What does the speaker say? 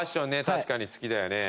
確かに好きだよね。